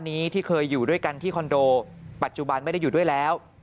นี้ที่เคยอยู่ด้วยกันที่คอนโดปัจจุบันไม่ได้อยู่ด้วยแล้ว